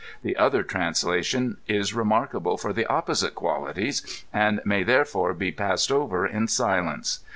The other translation is remarkable for the opposite qualities, and may therefore be passed over in si lence.